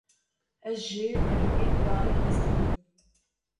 Ez ji rengên tarî hez dikim.